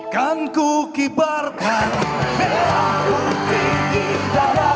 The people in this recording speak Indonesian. dan ku kibarkan merahmu di dandaku